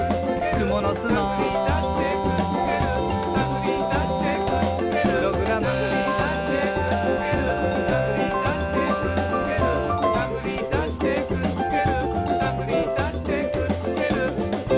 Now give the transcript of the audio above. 「くものすの」「たぐりだしてくっつける」「たぐりだしてくっつける」「プログラム」「たぐりだしてくっつける」「たぐりだしてくっつける」「たぐりだしてくっつけるたぐりだしてくっつける」